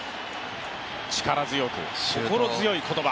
力強く、心強い言葉。